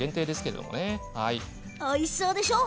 おいしそうでしょう？